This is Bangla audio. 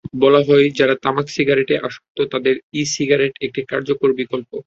বলা হয়, যাঁরা তামাকের সিগারেটে আসক্ত, তাঁদের জন্য ই-সিগ একটি কার্যকর বিকল্প।